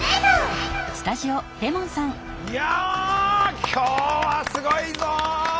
いや今日はすごいぞ！